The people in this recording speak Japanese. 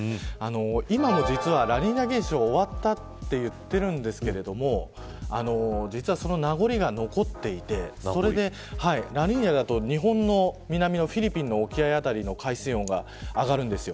今も実はラニーニャ現象終わったと言っているんですがその名残が残っていてラニーニャだと日本の南のフィリピンの沖合辺りの海水温が上がるんですよ。